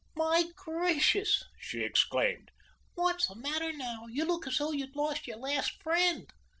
"My gracious!" she exclaimed. "What's the matter now? You look as though you had lost your last friend."